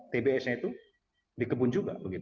tbs nya itu di kebun juga